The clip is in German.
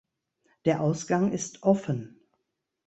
Der Ausgang ist offen.